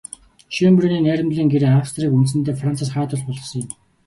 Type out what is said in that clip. Шёнбрунны найрамдлын гэрээ Австрийг үндсэндээ Францаас хараат улс болгосон юм.